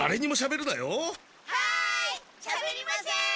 はいしゃべりません！